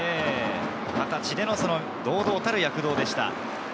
２０歳での堂々たる躍動でした。